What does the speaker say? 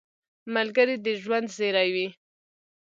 ملګری د ژوند زېری وي